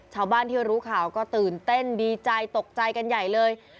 ชาวบ้านที่รู้ข่าวก็ตื่นเต้นดีใจตกใจกันใหญ่เลย